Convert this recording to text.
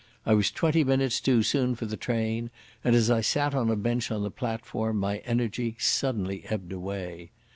I was twenty minutes too soon for the train, and, as I sat on a bench on the platform, my energy suddenly ebbed away.